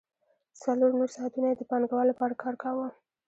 څلور نور ساعتونه یې د پانګوال لپاره کار کاوه